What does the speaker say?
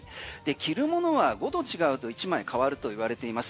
着るものは５度違うと１枚変わるといわれています。